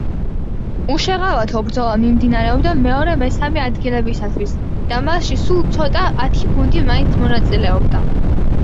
უშეღავათო ბრძოლა მიმდინარეობდა მეორე-მესამე ადგილებისათვის და მასში სულ ცოტა ათი გუნდი მაინც მონაწილეობდა.